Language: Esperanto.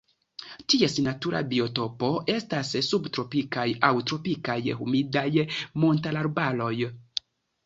Ties natura biotopo estas subtropikaj aŭ tropikaj humidaj montarbaroj.